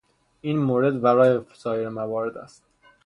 این مورد وراء سایر موارد است.